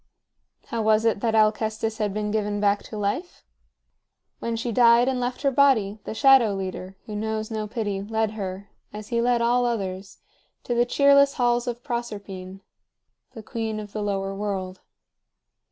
How was it that Alcestis had been given back to life? When she died and left her body, the Shadow Leader, who knows no pity, led her, as he led all others, to the cheerless halls of Proserpine, the queen of the Lower World.